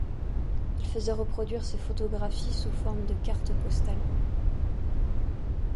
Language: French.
Il faisait reproduire ses photographies sous forme de cartes postales.